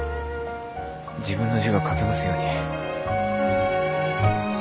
自分の字が書けますように。